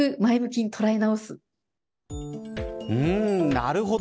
なるほど。